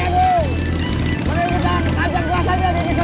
gak akan dia pasti jauh dari sini